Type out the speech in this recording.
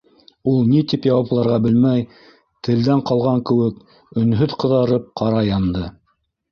Ул ни тип яуапларға белмәй, телдән ҡалған кеүек, өнһөҙ ҡыҙарып, ҡара янды.